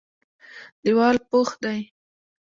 دېوال پخ دی.